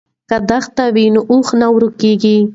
که دښته وي نو اوښ نه ورکیږي.